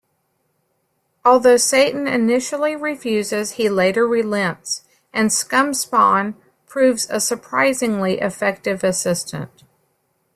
Although Satan initially refuses, he later relents, and Scumspawn proves a surprisingly effective assistant.